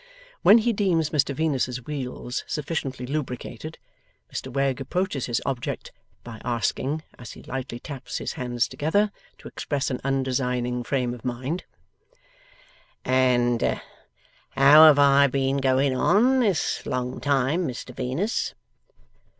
When he deems Mr Venus's wheels sufficiently lubricated, Mr Wegg approaches his object by asking, as he lightly taps his hands together, to express an undesigning frame of mind: 'And how have I been going on, this long time, Mr Venus?